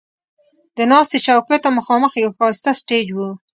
د ناستې چوکیو ته مخامخ یو ښایسته سټیج و.